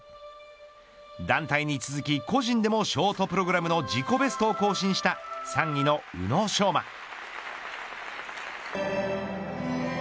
団体に続き個人でもショートプログラムの自己ベストを更新した３位の宇野昌磨。